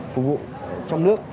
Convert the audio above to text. cục vụ trong nước